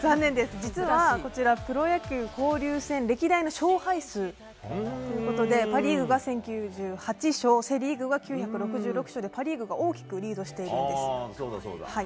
実は、こちらプロ野球交流戦歴代の勝敗数ということでパ・リーグが１０９８勝セ・リーグが９６６勝でパ・リーグが大きくリードしているんです。